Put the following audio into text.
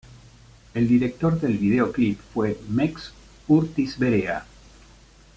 El director del videoclip, fue Mex Urtizberea.